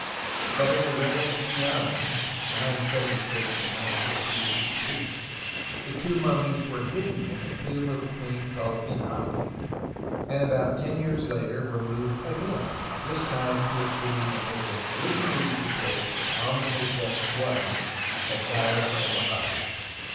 But in the reign of Siamon (97G 958 b.c.) the two mummies were hidden in the tomb of a queen called Inhapi, and about ten years later were moved again, this time to a tomb that had been originally prepared for Amenhotep I at Deir el Bahari.